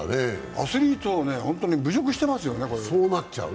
アスリートをホントに侮辱してますよね。